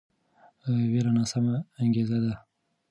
ویره ناسمه انګیزه ده